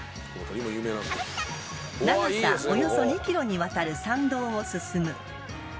［長さおよそ２ｋｍにわたる参道を進む］